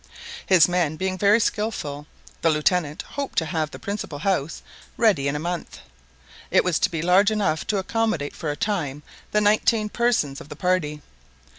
His men being very skilful, the Lieutenant hoped to have the principal house ready in a month. It was to be large enough to accommodate for a time the nineteen persons of the party.